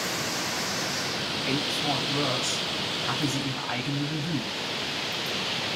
In Fort Worth hatte sie ihre eigene Revue.